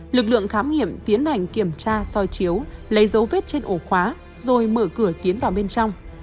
lực lượng khám nghiệm tiến hành kiểm tra soi chiếu lấy dấu vết trên ổ khóa rồi mở cửa tiến vào bên trong